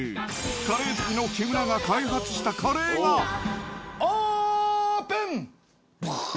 カレー好きの木村が開発したカレオープン！